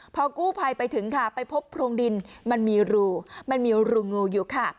พอกู้ภัยไปถึงค่ะไปพบโพรงดินมันมีรูมันมีรูงูอยู่ค่ะ